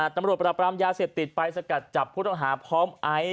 ตำรวจปราบรามยาเสพติดไปสกัดจับผู้ต้องหาพร้อมไอซ์